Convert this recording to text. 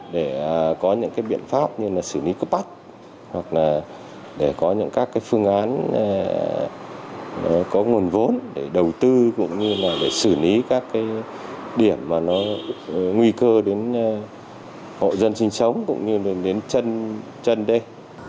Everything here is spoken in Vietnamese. để có những cái biện pháp như là xử lý cấp bách hoặc là để có những các phương án có nguồn vốn để đầu tư cũng như là để xử lý các cái điểm mà nó nguy cơ đến hộ dân sinh sống cũng như đến chân đê